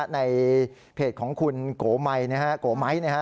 ในเพจของคุณโกไม้นะครับ